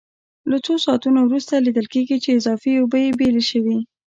له څو ساعتونو وروسته لیدل کېږي چې اضافي اوبه یې بېلې شوې.